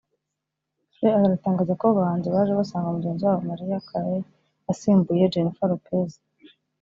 fr aratangaza ko abo bahanzi baje basanga mugenzi wabo Mariah Carey wasimbuye Jennifer Lopez